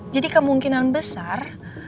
jadi kemungkinan besar